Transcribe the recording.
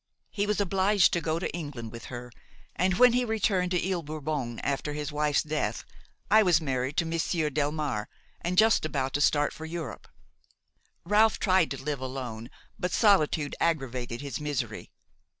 He was obliged to go to England with her, and when he returned to Ile Bourbon after his wife's death, I was married to Monsieur Delmare and just about to start for Europe. Ralph tried to live alone, but solitude aggravated his misery.